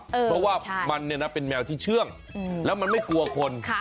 เพราะว่ามันเนี่ยนะเป็นแมวที่เชื่องแล้วมันไม่กลัวคน